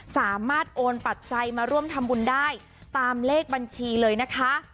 สามารถโอนปัจจัยมาร่วมทำบุญได้ตามเลขบัญชีเลยนะคะ